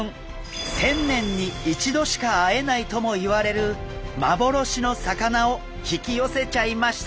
１０００年に１度しか会えないともいわれる幻の魚を引き寄せちゃいました。